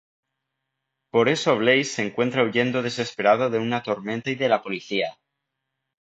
Por eso Blaze se encuentra huyendo desesperado de una tormenta y de la policía.